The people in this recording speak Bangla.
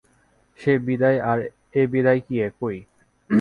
সে বিদায় আর এ বিদায় কি একই।